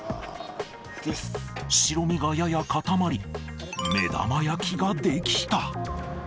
白身がやや固まり、目玉焼きが出来た。